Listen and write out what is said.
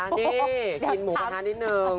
นี่กินหมูกระทะนิดนึง